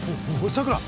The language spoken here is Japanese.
さくら